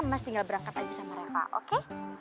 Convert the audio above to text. mas tinggal berangkat aja sama reva oke